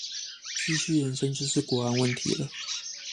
繼續延伸就是國安問題了